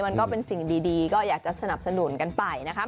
มันก็เป็นสิ่งดีก็อยากจะสนับสนุนกันไปนะคะ